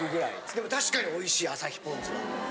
でも確かにおいしい旭ポンズは。